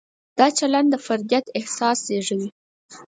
دا چلند د فردیت احساس زېږوي.